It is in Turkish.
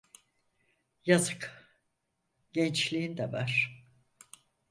Yazık… Gençliğin de var…